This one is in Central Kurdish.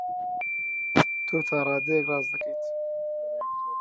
تۆ تا ڕادەیەک ڕاست دەکەیت.